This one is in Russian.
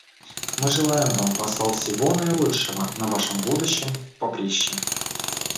Мы желаем вам, посол, всего наилучшего на вашем будущем поприще.